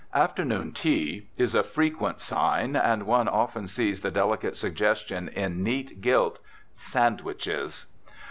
"Afternoon Tea" is a frequent sign, and one often sees the delicate suggestion in neat gilt, "Sandwiches."